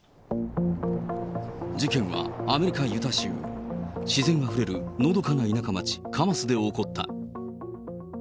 事件はアメリカ・ユタ州、自然あふれるのどかな田舎町、カマスで起こった。